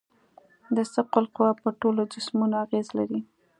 د ثقل قوه پر ټولو جسمونو اغېز لري.